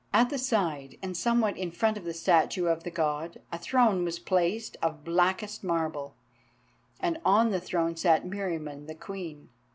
At the side, and somewhat in front of the statue of the God, a throne was placed of blackest marble, and on the throne sat Meriamun the Queen.